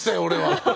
俺は。